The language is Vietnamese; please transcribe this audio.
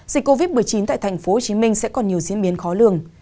dịch covid một mươi chín tại tp hcm sẽ còn nhiều diễn biến khó lường